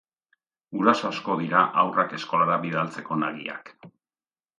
Guraso asko dira haurrak eskolara bidaltzeko nagiak.